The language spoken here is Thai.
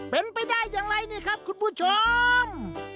เป็นไปได้อย่างไรนี่ครับคุณผู้ชม